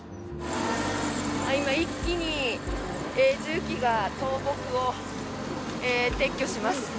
今、一気に重機が倒木を撤去します。